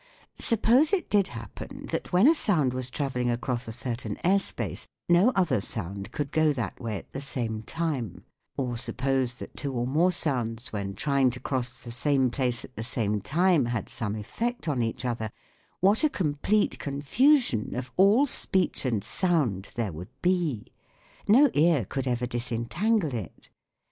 Suppose it did happen that when a sound was travelling across a certain air space no other sound could go that way at the same time, or suppose that two or more sounds when trying to cross the same place at the same time had some effect on each other, what a complete con fusion of all speech and sound there would be ! No ear could ever disentangle it.